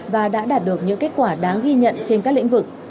và đã đạt được những kết quả đáng ghi nhận trên các lĩnh vực